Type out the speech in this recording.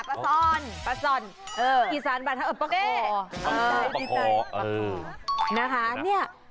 ปลาซ่อนปลาซ่อนเออปลาคอเออปลาคอเออนะคะเนี่ย